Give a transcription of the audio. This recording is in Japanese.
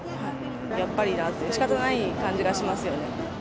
やっぱりなって、しかたない感じがしますよね。